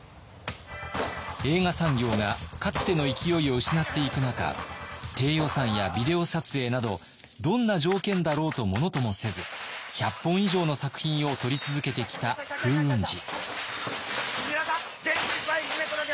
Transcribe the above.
映画産業がかつての勢いを失っていく中低予算やビデオ撮影などどんな条件だろうとものともせず１００本以上の作品を撮り続けてきた風雲児。